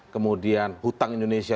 kemudian hutang indonesia